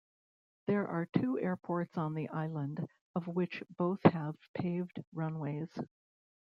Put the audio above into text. There are two airports on the island, of which both have paved runways.